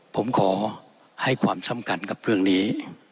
ผมขอให้ความสำคัญกับเรื่องนี้